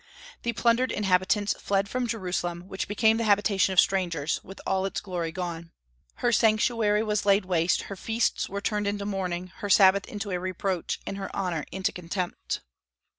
The plundered inhabitants fled from Jerusalem, which became the habitation of strangers, with all its glory gone. "Her sanctuary was laid waste, her feasts were turned into mourning, her Sabbath into a reproach, and her honor into contempt."